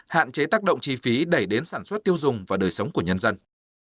hạn chế tác động chi phí đẩy đến sản xuất tiêu dùng và đời sống của nhân dân